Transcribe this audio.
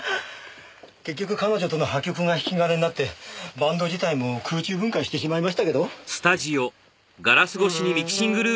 結局彼女との破局が引き金になってバンド自体も空中分解してしまいましたけど。